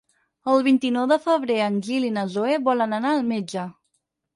El vint-i-nou de febrer en Gil i na Zoè volen anar al metge.